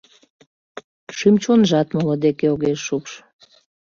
Шӱм-чонжат моло деке огеш шупш.